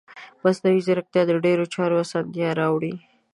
مصنوعي ځیرکتیا د ډیرو چارو اسانتیا راوړي.